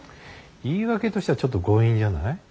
言い訳としてはちょっと強引じゃない？